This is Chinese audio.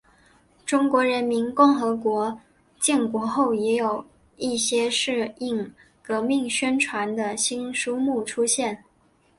中华人民共和国建国后也有一些适应革命宣传的新书目出现。